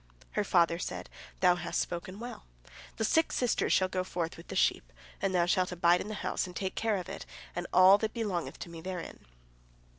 Her father said: "Thou hast spoken well. Thy six sisters shall go forth with the sheep, and thou shalt abide in the house and take care of it, and all that belongeth to me therein."